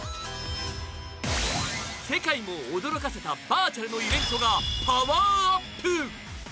世界を驚かせたバーチャルのイベントがパワーアップ。